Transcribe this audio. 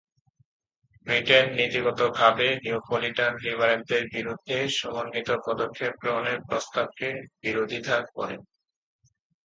Britain নীতিগতভাবে Neapolitan লিবারেলদের বিরুদ্ধে সমন্বিত পদক্ষেপ গ্রহণের প্রস্তাবকে বিরোধিতা করে।